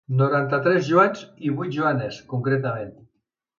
Noranta-tres Joans i vuit Joanes, concretament.